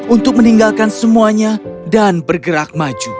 untuk meninggalkan semuanya dan bergerak maju